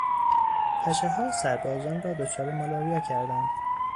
پشهها سربازان را دچار مالاریا کردند.